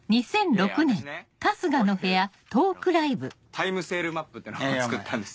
タイムセールマップってのを作ったんです。